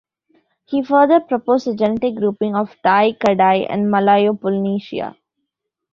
He further proposed a genetic grouping of Tai, Kadai and Malayo-Polynesian.